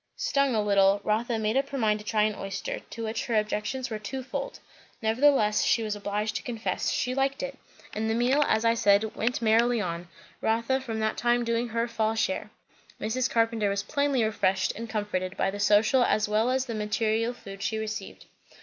Stung a little, Rotha made up her mind to try an oyster, to which her objections were twofold. Nevertheless, she was obliged to confess, she liked it; and the meal, as I said, went merrily on; Rotha from that time doing her fall share. Mrs. Carpenter was plainly refreshed and comforted, by the social as well as the material food she received.